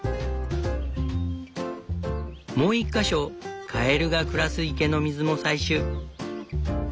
もう１か所カエルが暮らす池の水も採取。